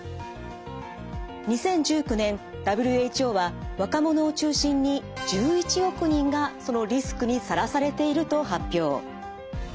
２０１９年ＷＨＯは若者を中心に１１億人がそのリスクにさらされていると発表。